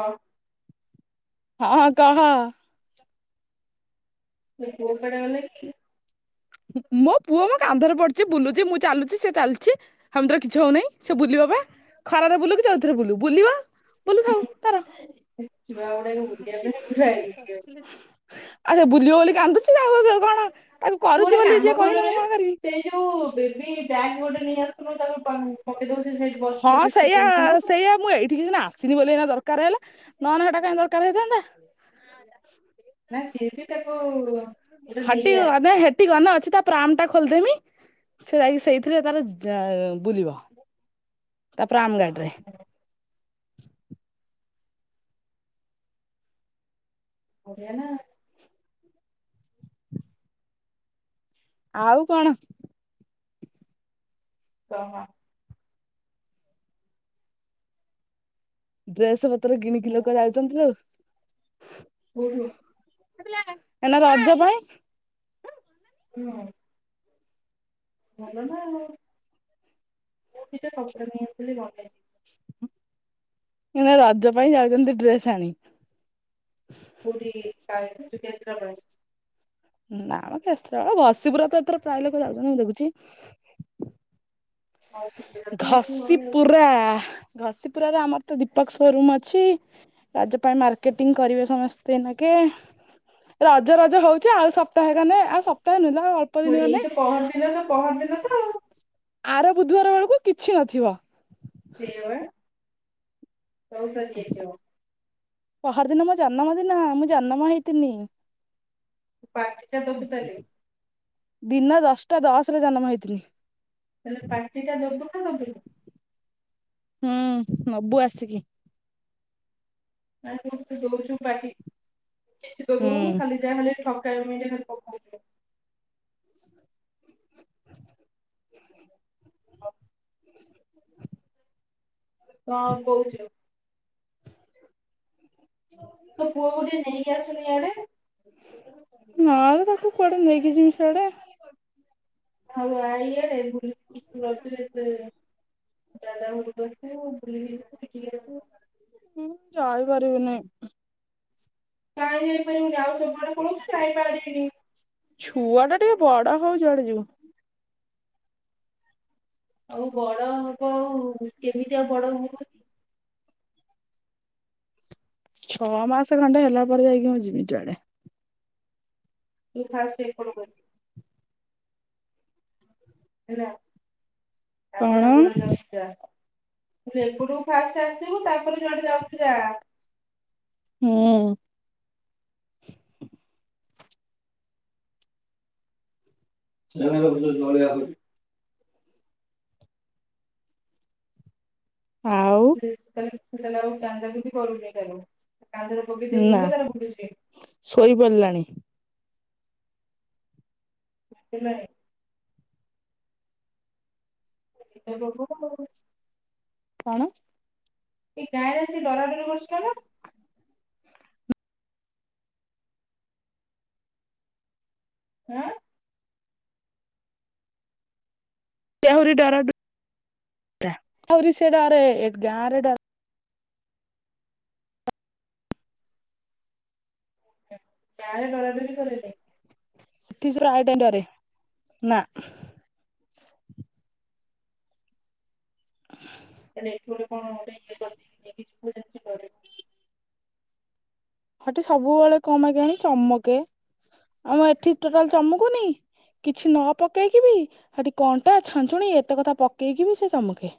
ହଉ। ହଁଁ ହଁ କହ? ମୁଁ କହିଲି ପୁଅ କୁଆଡେ ଗଲା କି? ମୋ ପୁଅ ମୋ କାନ୍ଧରେ ପଡିଚି ବୁଲୁଚି ମୁଁ ଚାଲୁଚି ସେ ଚାଲିଚି। ହମେଥର କିଛି ହଉନାହିଁ ସେ ବୁଲିବ ବାବା ଖରାରେ ବୁଲୁ ଯଉଥିରେ ବୁଲୁ ବୁଲିବ ବୁଲୁଥାଉ ତାର। [unintelligible] ଆ ସେ ବୁଲିବ ବୋଲି କନ୍ଦୁଚି ଆଉ ସେ କଣ ତାକୁ ତୁ କରୁଛି ଗୋଟେ ବୋଲି କାମ ଯିଏ କହିଲେ କରନୁ ବେ ମୁଁ କଣ କରିବି ସେ ଯୋଉ ବେବି ବ୍ୟାଗ୍ ଗୋଟେ ନେଇ ଆସିନୁ ତାକୁ ପକେଇ ଦ ହଁ ସେଇଆ ସେଇଆ ମୁଁ ଏଇ ଏଟିକିସିନା ଆସିନି ବୋଲି ଦରକାର ହେଲା ନହେଲେ ସେଟା କାଇଁ ଦରକାର ହେଇଥାନ୍ତା। ନା ସ ବି ତାକୁ ଗୋଟେ ନେଇଆ। ଗନ ଅଛି ତା ପ୍ରାମ ଟା ଖୋଲିଦେମି ସେ ଯାଇି ସେଇଥିରେ ତାର ବୁଲିବ। ତା ପ୍ରାମ୍ ଗାଡି ରେ ବଢିଆ ନାଁ। ଆଉ କଣ? କହ? ଡ୍ରେସ ପତ୍ର କିଣିକି ଲୋକ ଯାଉଛନ୍ତି ଲୋ? ଉଁ ହୁଁ। ଏନା ରଜ ପାଇଁ? [inaudible] ଭଲ ନାଁ ଆଉ ମୁଁ ଦିଟା କପଡ଼ା ନେଇ ଆସିଥିଲି ବନେଇବି। ଏଇନା ରଜ ପାଇଁ ଯାଉଚନ୍ତି ଡ୍ରେସ ଆଣି। କଉଠି [unintelligible] କେନ୍ଦ୍ରାପଡ଼ା। ନାଁ ମ କେସ୍ତାପାଳ ଘସିପୁରା ତ ଏଥର ପ୍ରାୟେ ଲୋକ ଯାଉଚନ୍ତି ମୁଁ ଦେଖୁଚି। ଘସି ପାଇଁ ପୁରା ଘସି ପୁରାରେ ଆମର ତ ଦୀପକ ସୋରୁମ୍ ଅଛି। ରଜ ପାଇଁ ମାର୍କେଟିଂ କରିବେ ସମସ୍ତେ ଏନାକେ, ରଜ ରଜ ହୋଉଚ ଆଉ ସ ସପ୍ତାହେ ଗନେ, ଆଉ ସପ୍ତାହେ ନୁହେଲୋ ଆଉ ଅଳ୍ପ ଦିନି ଗନେ ଏନାତ ପହଦିନତ ଆଉ ଆର ବୁଧବାର ବେଳକୁ କିଛି ନଥିବ। ସେୟାପା, ସବୁ ସରିଯାଇଥିବ। ପହରିଦିନ ମୋ ଜନମ ଦିନ, ମୁଁ ଜନମ ହେଇଥିନି। ତୁ କାଟେ ଦିନ ଦଶଟା ଦଶରେ ଜନମ ହେଇଥିନି। ତାହେଲେ ପାଟି ଟା ଦବୁ ନା ଦବୁନି? ହୁଁ-ନବୁ ଆସିକି। ନାଁ ତୁ ଦୋଉଚୁ ପାଟି, କିଛିତ ହୁଁ ଦୋଉନୁ ଖାଲି ଯାହେଲେବି ଠକାମି ରେ ପକଉଚୁ। ହ [unintelligible] କଣ କହୁଚୁ? [unintelligible] ତୋ ପୁଅ କୁ ଟିକିଏ ନେଇ ଆସୁନୁ ଇଆଡେ। ନା ଲୋ ତାକୁ କୁଆଡ଼େ ନେଇକି ଯିମି ସିଆଡ଼େ? ଆଉ ଆ ଇଆଡ଼େ, ବୁଲିକି ଯିବୁ ରଜରେ ଏତେ [unintelligible] [unintelligible] ମୁଁ ଯାଇପାରିବିନି। କାଇଁ ଯାଇ ପାରିବୁନି? ଆଉ ସବୁ ଆଡେ ପଳଉଚୁ, ଯାଇ ପାରିବିନି ଛୁଆ ଟା ଟିକେ ବଡ ହଉ, ଯୁଆଡେ ଯିବୁ। ଆଉ ବଡ ହବ ଆଉ, କେମିତି ଆଉ ବଡ ହବ? ଛଅ ମାସ ଖଣ୍ଡେ ହେଲା ପରେ ଯାଇକି ମୁଁ ଯିବି ଯୁଆଡେ। ତୁ ଫାଷ୍ଟ ଏପଟୁ କୁ ଆସେ। ହେଲା, ତାପରେ କଣ ଆଉ ଯୁଆଡେ ଯାଉ ଯା, ମୁଁ କହିଲି ଏ ପଟକୁ ଫାଷ୍ଟ ଆସିବୁ, ତାପରେ ଯୁଆଡେ ଯାଉଚୁ ଯା। ହୁଁ [unintelligible] ଆଉ [unintelligible] ଶୋଇପଡ଼ିଲାଣି। ଉଠିଲାଣି। [unintelligible] କଣ? ଏଇ ଗାଁରେ ଆସି ଡରା ଡରି କରୁଚ ନା? ଆଁ ତେ ଆହୁରି ଡରା ଡରି, ତା ଆହୁରି ସେ ଡରେ, ଏ ଗାଁ ରେ ଡରେ ଗାଁ ରେ ଡରା ଡରି କରେନି? ସେଠି ସେ ପ୍ରାୟେ ଟାଇମ୍ ଡରେ, ନା। [unintelligible] ହେଲେ ଏଠି ଗୋଟେ କଣ ଗୋଟେ ଇଏ କରିଦେଇଚି, [unintelligible] ହଟି ସବୁବେଳେ କଁ ପାଇଁ କେଜାଣି ଚମକେ, ଆମ ଏଠି ଟୋଟାଲ୍ ଚମକୁନି କିଛି ନ ପକେଇକି ବିି, ହେଟି କଣ୍ଟା, ଛାଞ୍ଚୁଣି, ଏତେ କଥା ପକେଇକି ବି ସେ ଚମକେ।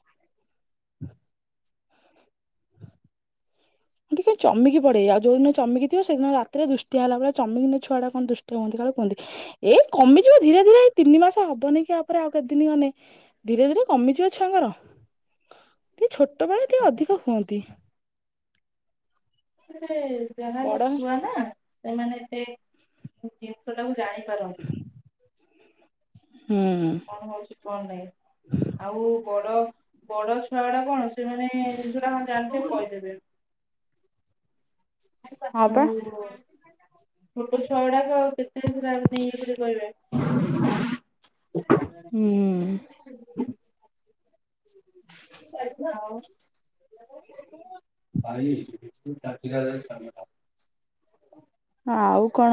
ଟିକେ ଚମକି ପଡେ, ଆଉ ଯୋଉ ଦିନ ଚମିକି ଥିବ, ସେଦିନ ରାତିରେ ଦୃଷ୍ଟିଆ ହେଲା ଭଳିଆ ଚମକି ଛୁଆ କଣ ଦୃଷ୍ଟି ହୁଅନ୍ତି କଣ କୁହନ୍ତି। ଏଇ କମିଯିବ ଧୀରେ ଧୀରେ ଏଇ ତିନି ମାସ ହବନି କି ଆ ପରେ ଆଉ କେତେଦିନ ଗଲେ। ଧୀରେ ଧୀରେ କମିଯିବ ଛୁଆଙ୍କର, ଟିକେ ଛୋଟ ବେଳେ ଟିକେ ଅଧିକ ହୁଅନ୍ତି। ରେ ଯାହା ହେଲେ ବଡ ଛୁଆ ନା। ସେମାନେ ଏତେ ଜିନିଷ ଟାକୁ ଜାଣିପାରନ୍ତି। ହୁଁ। କଣ ହଉଛି କଣ ନାହିଁ, ଆଉ ବଡ। ବଡ ଛୁଆ ଗୁଡା କଣ ସେମାନେ ଜିନିଷ ଟା କଣ ଜାଣିଛନ୍ତି କହିଦେବେ। ହଉ। ହଁ ପା [unintelligible] ଛୋଟ ଛୁଆ ଗୁଡାକ କେତେ ଚିରାଗ ନେଇ ଇଏ କରି କହିବେ। ହୁଁ। [inaudible] [inaudible] [unintelligible] [unintelligible] ପାଇ ତୁ ତାଙ୍କିରା ଜାଗାରେ [unintelligible] ଆଉ। କଣ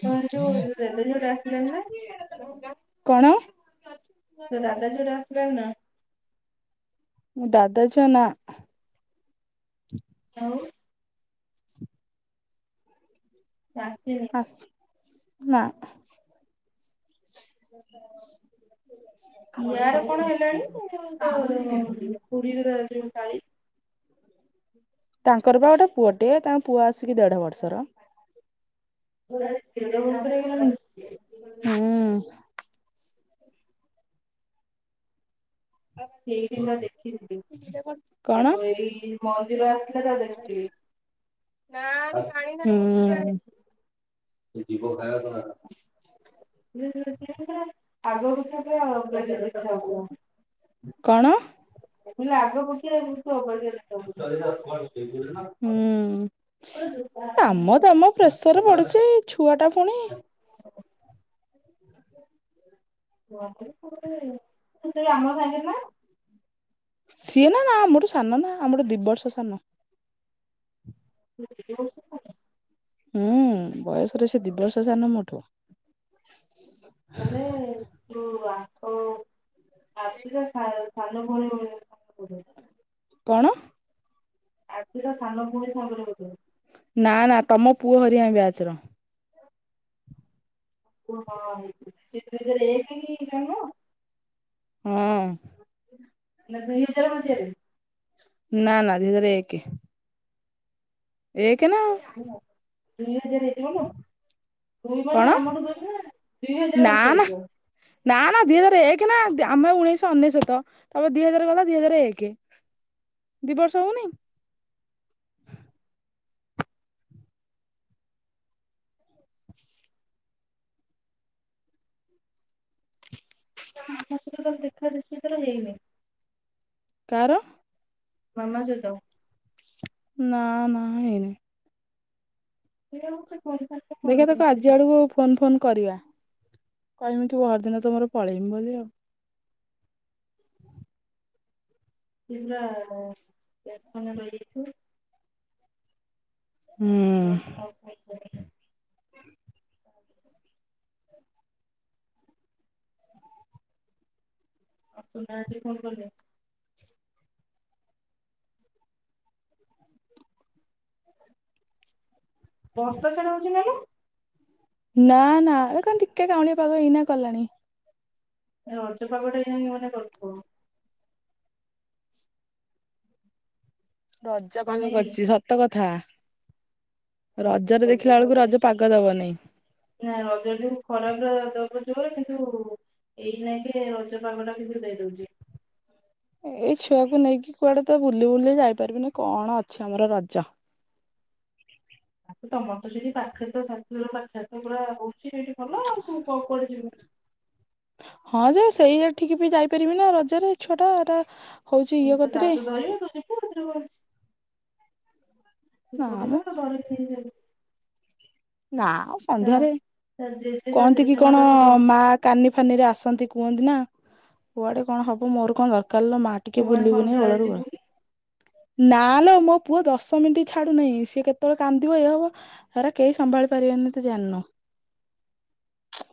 ତାର ଯୋଉ ରେନିକୋଟ ଆସିଲାଣି ନା। [inaudible] କଣ। ତୋ ଦାଦା ଝିଅ ଟା ଆସିଲାଣି ନା। ମୋ ଦାଦା ଝିଅ ନା। ଆଉ। ସେ ଆସିନି। ଆସୁ ନା। [unintelligible] ୟାର କଣ ହେଲାଣି, ଉଁ ପୁରୀରେ ତାର ଯୋଉ ଶାଳୀ। ତାଙ୍କର ପା ଗୋଟେ ପୁଅଟିଏ, ତାଙ୍କ ପୁଅ ଆସିକି ଦେଢ଼ ବର୍ଷର। ଗ [unintelligible] ହୁଁ। ସେଇ ଦିନ ଦେଖି ଚି। ସେଟା କରଛ [unintelligible] ତାକୁ ଏଇ ମନ୍ଦିର ଆସିଲା ତାକୁ ଦେଖିଥିଲି। ନା ପାଣି ନା [unintelligible] ସେ ଜିଭୋ ଖାଇ ତ ଆଣ [inaudible] ଆଗ କ କଥା କ [unintelligible] କଣ। ଲେ ଆଗ ପକ୍ଷେଇଆ ହୁଁ ଆମ ଦାମ ପ୍ରେସର ପଡିଛି [unintelligible] [inaudible] ଛୁଆ ଟା ପୁଣି। ହ [inaudible] ଆ [inaudible] [inaudible] ତୁ କେବେ ଆମ ସାଙ୍ଗେ ନା [unintelligible] ସିଏ ନା ନା ଆମଠୁ ସାନ ନା ଆମରଠୁ ଦି ବର୍ଷ ସାନ। ହ [inaudible] ହୁଁ ବୟସରେ ସେ ଦି ବର୍ଷ ସାନ ମୋଠୁ। ମାନେ ତୁ ଆ। ଆସିଲେ ସା ସାନ ଭଉଣି ଭଳିଆ [inaudible] କଣ? ଆଦି ର ସାନ ଭଉଣି ସାଙ୍ଗରେ ବୋଧେ? ନା ନା ତମ ପୁଅ ହେରିକା ବ୍ୟାଚ୍ ର। ଓହଁ ହେଇରେ ଜନ [unintelligible] ହୁଁ। ନା ଦୁଇ ହଜାର ମସିହାରେ ନା ନା ଦିହଜାରେ ଏକେ। ଏକେ ନାଉ [inaudible] ଦି ହଜାରେ ଜୁନୁ ଦୁ କଣ ମାନେ ଆମର ଦୋଷ [inaudible] ନା ଦୁଇ ହଜାର ମସିହା ହେଇଥିବ? ନାଁ ନାଁ ଦିଇ ହଜାରେ ଏକେ ନା ଆମେ ଉଣେଇଶ ଅନେଶତ। ତମେ ଦି ହଜାରେ ଗଲା ଦି ହଜାରେ ଏକେ ଦି ବର୍ଷ ହଉନି। ହ [inaudible] ଆମ ହସ୍ପିଟାଲ ଦେଖା ଦେଖି ଏଥର ହେଇନି। କାର ମାମା ସହିତ। ନାଁ ନାଁ ହେଇନି। ସିଏ ମତେ ଫୋନ୍‌ ଫାନ୍ ଦେଖିବା ତାକୁ ଆଜି ଆଡକୁ ଫୋନ୍ ଫୋନ୍ କରିବା। କହମି ପହରିଦିନ ତ ମୋର ପଳେଇବି ବୋଲି ଆଉ ପା୍ୟା ଖାନ ରହିଯାଇଛୁ [unintelligible] ହୁଁ [unintelligible] ମୋ ସୁନା ଆଜି ଫୋନ୍ କଲେ। ବଷ କିଣଉଛି ନାଇଁ [unintelligible] ନାଁ ନାଁ ଅଇଁଖା ଟିକେ କାଉଁଳିଆ ପାାଗ ଏଇନା କଲାଣି। ରଜ ପାଗ ଟା ଯେମିତି ମନେ କରୁଥିବ। ରଜ ପାନ ନାଇଁ କି? କରିଛି ସତ କଥା ରଜରେ ରଜ ଦେଖିଲା ବେଳକୁ ପାଗରେ ରଜ ପା ଧୋକା ଦବନେଇ। ନା ରଜ ଯୋଉ ଖରାଟା ଦବ ଯୋରେ କିନ୍ତୁ ଏଇନାକେ ରଜ ପାଗ ଟା କିନ୍ତୁ ଦେଇ ଦଉଛି। ଏଇ ଛୁଆକୁ ନେଇକି କୁଆଡେ ତ ବୁଲି ବୁଲି ଯାଇପାରିବିନି କଣ ଅଛି ଆମର ରଜ। ଆଉ ତମର ତ ସେଠି ପାଖରେ ତ ଶାଶୁଘର ପାଖରେ ତ ପୁରା ହଉଛି ଭଲ ଆଉ ତୁ କୁଆଡେ ଯିବୁ ହଁ ଯେ ସେଇଆଠିକି ବି ଯାଇପାରିବି ନା ରଜ ଛୁଆଟା ଏଟା ହଉଛି ଇଏ କତିରେ। କ [inaudible] କହୁ ହ [inaudible] ନା ତୁ ମ ପିବା ତ ଘରେ ୁ [inaudible] ନା ଆଉ ତା ସନ୍ଧ୍ୟାରେ ତା ଜେଜେ ତା କହନ୍ତି କି ଜେଜେମା କଣ ତାକୁ ଧ ମା କାନି ଫାନିରେ ଆସନ୍ତି କୁହନ୍ତି ନା କୁଆଡ଼େ କଣ ହବ ମୋର କଣ ଦରକାରେ ଲୋ ମା। ତୁ ଟିକେ କଣ ବୁଲିବୁନି ସନ୍ଧ୍ୟାବେଳେ ଓଳାରୁ ବୋଳା। ଯିବୁ କି? ନା ନା ମୋ ପୁଅ ଦଶ ମିନିଟ୍ ଛାଡୁ ନାହିଁ ସିଏ କେତେବେଳେ କାନ୍ଦିବ ଇଏ ହବ ସେଗରା କେହି ସମ୍ଭାଳି ପାରିବେନି ତୁ ଜାଣିନୁ।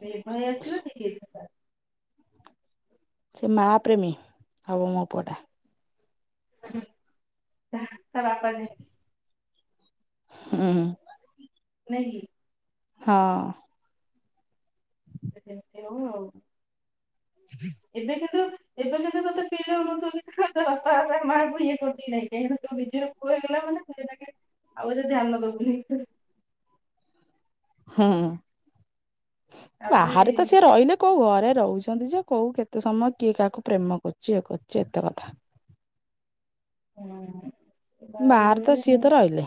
ଭ ଭୟ ଆସଲ କିିକେ [inaudible] ସେ ମା ପ୍ର୍ରେମୀ ହବ ମୋ ପୁଅଟା। ଚପ [inaudible] ହୁଁ ହୁଁ। ନାଇଁ। ହଁ। ସେ ସେମିତି ହଉ ଆଉ। ହୁଁ [unintelligible] ଏବେ ସେତ ଏବେ ସେତ ତୋତେ ପିଲା ହୁହୁ ବାପା ମାଆ କଙ୍କୁ ଇଏ କରୁଛି ନାଇଁ କାହିଁକି ତ ବିଜ [unintelligible] କହିଇଗଲା ମାନେ ସେଇଟାକେ ଆଉ ଏ ଧ୍ୟାନ ଦବୁନି [unintelligible] ହୁଁ ଆହୁରି ବାହାରେ ତ ସେ ରହିଲେ। କୋଉ ଘରେ ରହୁଛନ୍ତି ଯେ କୋଉ କେତେ ସମୟ କିଏ କାହାକୁ ପ୍ରେମ କରୁଛି ଇଏ କରୁଛି ଏତେ କଥା। ହୁଁ ବାହାର ତ ସିଏ ତ ରହିଲେ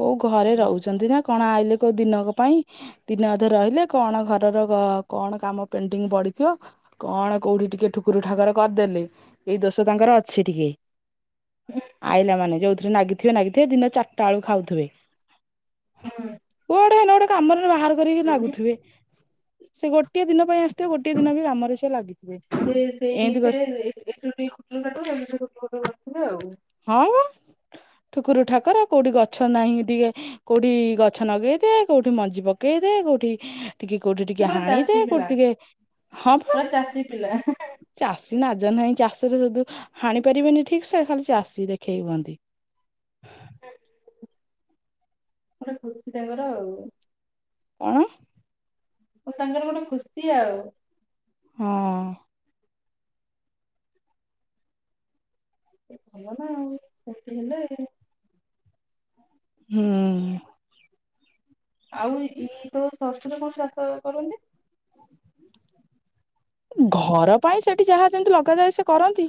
କୋଉ ଘରେ ରହୁଛନ୍ତି ନା। କଣ ଆଇଲେ ତ ଦିନ ପାଇଁ? ଦିନେ ଅଧେ ରହିଲେ କଣ ଘରର କଣ କାମ ପେଣ୍ଟିଂ ପଡିିଥିବ। କଣ କୋଉଠି ଟିକେ ଠୁକୁର ଠାକୁର କରିଦେଲେ ଏଇ ଦୋଷ ତାଙ୍କର ଅଛି ଟିକେ। ହୁଁ। ଆଇଲା ମାନେ ଯଉଥିରେ ନାଗିଥିବେ ନାଗିଥିବେ ଦିନ ଚାରଟା ବେକୁ ଖାଉଥିବେ। ହୁଁ। ଟେ ଗୋଟେ କାମରେ ବାହାର କରିକି ନାଗୁଥିବେ ସେ ଗୋଟଏ ଦିନ ପାଇଁ ଆସଥିବେ ଗୋଟଏ ଦିନ ବି ଆମରେ ସେ ଲାଗିଥିବେ ଏମିତି କରି [unintelligible] ମୁ ତାଠୁିୋଟେ ବିବେ ଆଉ [unintelligible] ହଁ ଠୁକୁର ଠାକୁର କୋଉଠି ଗଛ ନାହିଁ ଟିକେ କୋଉଠି ଗଛ ଲଗେଇଦିଏ କୋଉଠି ମଞ୍ଜି ପକେଇଦିଏ କୋଉଠି ଟିକେ କୋଉଠି ଟିକେ ସେ ପୁରା ହାଣିଦ ଚାଷୀ କୋଉଠି ପିଲା ଟିକେ ହଁ ବା। ପୁରା ଚାଷୀ ପିଲା ଚାଷୀ ନାଜ ନାହିଁ ଚାଷରେଦୁ ହାଣି ପାରିବେନି ଠିକ ସେ ଖାଲି ସ ଖସି ଦେଖେଇ ହୁହନ୍ତି। ମଟେ ଖୁସି ତାଙ୍କର ଆଉ। କଣ? ମୁଁ ତାଙ୍କର ଗୋଟେ ଖୁସି ଆଉ। ହଁ। ଭଲ ନା ଆଉ ସେତି ହେଲେ ଆ ହୁଁ। ଆଉ ଇଏ ତ ଷଷ୍ଠରେ କୋଉୁ ଚାଷ ବାସ କରନ୍ତି। ଘର ପାଇଁ ସେଠି ଯାହା ଯେମିତି ଲଗାଯାଏ ସେ କରନ୍ତି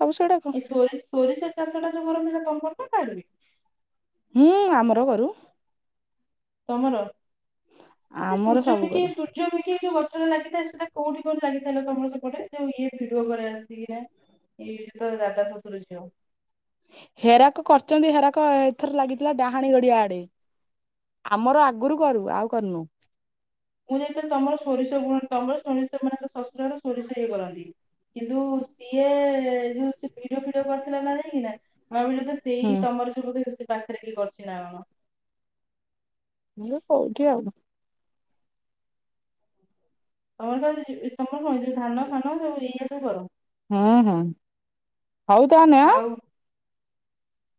ସବୁ ସେଟା। ଏ ସୋରି ସୋରିଷ ଚାଷ ଟା ଯୋଉ କରନ୍ତି ନା ତଣ କରନ କାଢିବି [unintelligible] ହୁଁ ଆମର କରୁ। ତମର ସୂର୍ଯ୍ୟ ଆମର ସବୁ ଘେରିକି କରୁ ସୂ ଯଉ ଭେଡ଼ିଓ ଅ ଟି ଗଛରେ ଲାଗିଥାଏ ସେଇଟା କୋଉଠି କନି ଲାଗିଥାଏ ତମ ସେପଟେ ଯେଉ ଇଏ ଭିଡିଓ କରେ ଆସିକିରା। ଏଇଟା ତ ଦାଦା ଶଶୁର ଛିଅ। ହେରାକ କରିଛନ୍ତି ହେରାକ ଏଥର ଲାଗିଥିଲା ଡାହାଣୀ ଗଡିଆ ଆଡେ। ଆମର ଆଗରୁ କରୁ ଆଉ କରନୁ। ମୁଁ ଯାଇଥିଲି ତମର ସୋରିଷ ଗୁଣ ତମର ସୋରିଷ ମାନେ ଶଶୁରର ସୋରିଷ ହେଇଗଲାଣି। କିନ୍ତୁ ସିଏ ଯୋଉ ଭେଡ଼ିଓ ଫିଡ଼ିଓ କରିଥିଲା ନା ଯାଇକି ନା। ହୁଁ। ସେଇ ତମର ଯୋଉ ତ ସେ ପାଖରେ କିଏ କରିଛି ନା କଣ? ମୁଁ କୋଉଠି ଆଉ। ତମର ତ ଇଯିବି ତମ ର କଣ ଧାନ, ଫାନ, ସବୁ ଏଇଆ ସବୁ କର। ହଁ ହଁ। ହଉ ତା ନେ। ଆଉ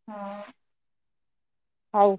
ହଁ। ହଉ।